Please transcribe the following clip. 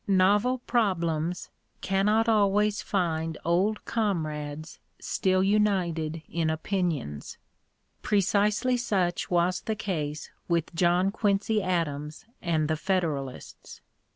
Novel problems cannot always find old comrades still united in opinions. Precisely such was the case with John Quincy Adams and the Federalists.